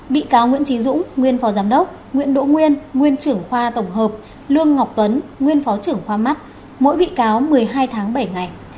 bị cáo nguyễn trí dũng nguyên phó giám đốc nguyễn đỗ nguyên nguyên trưởng khoa tổng hợp lương ngọc tuấn nguyên phó trưởng khoa mắt mỗi bị cáo một mươi hai tháng bảy ngày